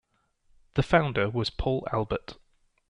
The founder was Paul Albert.